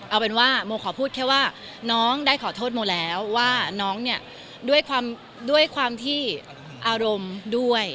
เอาเป็นว่าโมขอพูดแค่ว่าน้องได้ขอโทษโมแล้วว่าน้องเนี่ยด้วยความด้วยความที่อารมณ์ด้วย